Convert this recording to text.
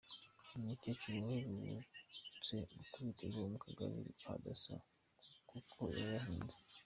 Hari umukecuru uherutse gukubitirwa ku Kagari na Dasso kuko yayahinze.